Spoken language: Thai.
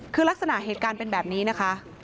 คือลักษณะเหตุการณ์เป็นแบบนี้นะคะ